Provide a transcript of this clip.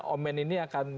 omen ini akan